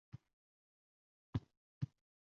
Axborotni xotiraga saqlash bo‘yicha vizual ketma-ketlik